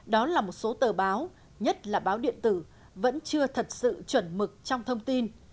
đó là một số tờ báo nhất là báo điện tử vẫn chưa thật sự chuẩn mực trong thông tin